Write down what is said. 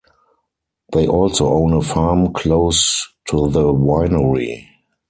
They also own a farm close to the winery.